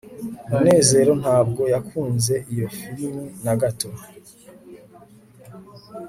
munezero ntabwo yakunze iyo firime na gato